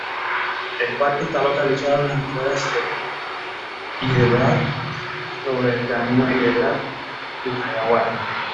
El parque está localizado en las afueras de Hyderabad, sobre el camino Hyderabad—Vijayawada.